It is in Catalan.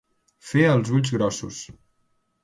Fer els ulls grossos.